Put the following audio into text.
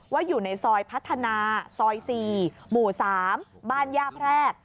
อยู่ในซอยพัฒนาซอย๔หมู่๓บ้านย่าแพรก